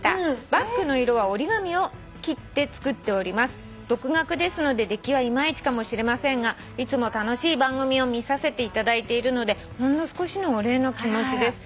「バックの色は折り紙を切って作っております」「独学ですので出来はいまいちかもしれませんがいつも楽しい番組を見させていただいているのでほんの少しのお礼の気持ちです」